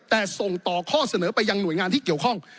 แต่ส่งต่อข้อเสนอไปยังหน่วยงานที่เกี่ยวข้อง